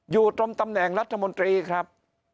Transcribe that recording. อยู่ตรงตำแหน่งรัฐมนตรีครับ